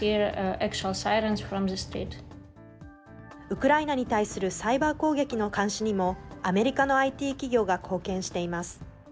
ウクライナに対するサイバー攻撃の監視にも、アメリカのＩＴ企業が貢献しています。